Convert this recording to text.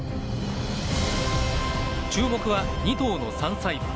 注目は２頭の３歳馬。